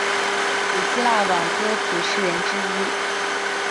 古希腊挽歌体诗人之一。